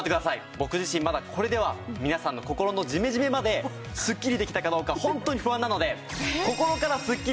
僕自身まだこれでは皆さんの心のジメジメまですっきりできたかどうかホントに不安なので。